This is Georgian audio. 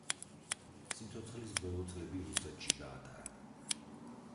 სიცოცხლის ბოლო წლები რუსეთში გაატარა.